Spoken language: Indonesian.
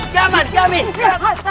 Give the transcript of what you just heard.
siapa di sini